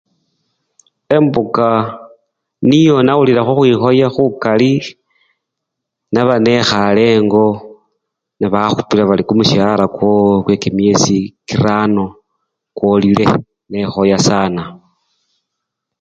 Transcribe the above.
Embuka niyo nawulila khukhwikhoya khukali, naba nekhale engo nebakhupila bali kumusya-ara kwowo kweki myesi kirano kwolile, nekhoya sana.